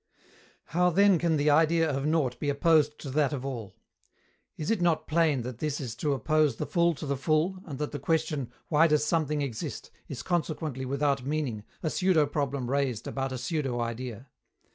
How then can the idea of Nought be opposed to that of All? Is it not plain that this is to oppose the full to the full, and that the question, "Why does something exist?" is consequently without meaning, a pseudo problem raised about a pseudo idea?